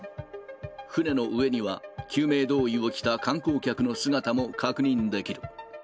船の上には、救命胴衣を着た観光客の姿も確認できる。